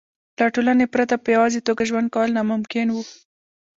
له ټولنې پرته په یوازې توګه ژوند کول ناممکن وو.